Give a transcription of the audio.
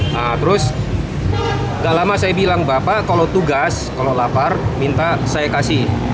nah terus gak lama saya bilang bapak kalau tugas kalau lapar minta saya kasih